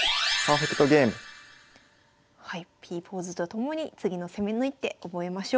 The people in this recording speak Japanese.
はいＰポーズとともに次の攻めの一手覚えましょう。